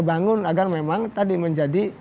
bangun agar memang tadi menjadi